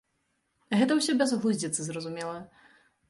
Гэта ўсё бязглуздзіца, зразумела.